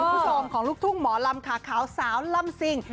คุณผู้ชมของลูกทุ่งหมอลำขาขาวสาวลำซิง